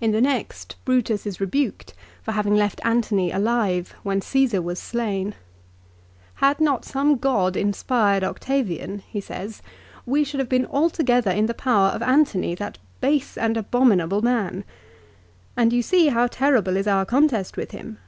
In the next Brutus is rebuked for having left Antony alive when Ca3sar was slain. " Had not some god inspired Octavian," he says, "we should have been altogether in the power of Antony, that base and abominable man. And you see how terrible is our contest with him."